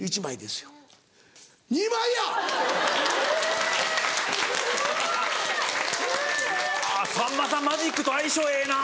・すごい！・さんまさんマジックと相性ええな。